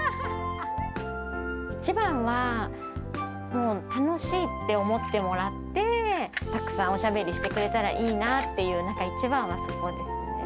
一番は楽しいって思ってもらって、たくさんおしゃべりしてくれたらいいなっていう、なんか一番はそこですね。